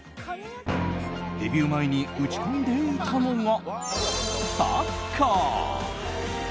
デビュー前に打ち込んでいたのがサッカー。